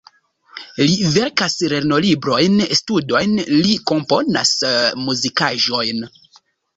Li verkas lernolibrojn, studojn, li komponas muzikaĵojn.